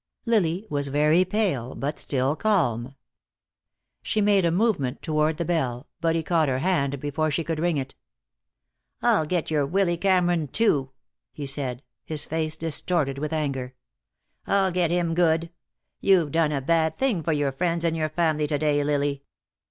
Lily was very pale, but still calm. She made a movement toward the bell, but he caught her hand before she could ring it. "I'll get your Willy Cameron, too," he said, his face distorted with anger. "I'll get him good. You've done a bad thing for your friends and your family to day, Lily.